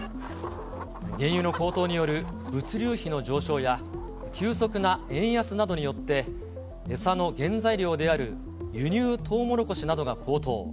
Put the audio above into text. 原油の高騰による物流費の上昇や、急速な円安などによって、餌の原材料である輸入トウモロコシなどが高騰。